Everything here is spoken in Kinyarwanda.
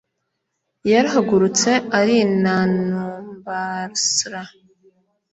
yarahagurutse arinanumbersra,